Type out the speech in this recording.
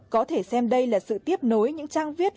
có thể xem đây là sự tiếp nối những trang viết